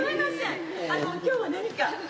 あの今日は何か？